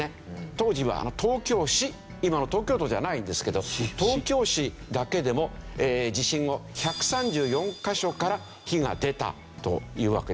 当時は東京市今の東京都じゃないんですけど東京市だけでも地震後１３４カ所から火が出たというわけですね。